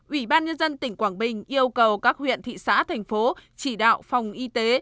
ủy ban nhân dân tỉnh quảng bình yêu cầu các huyện thị xã thành phố chỉ đạo phòng y tế